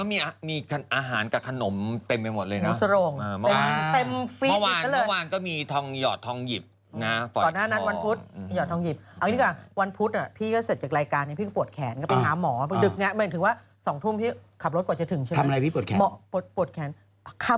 ที่มีวันหยุดปุ๊บก็จะมีรายการพิเศษเข้ามานะครับผม